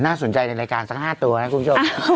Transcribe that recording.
น่าสนใจในรายการของสัก๕ตัวนะครูชน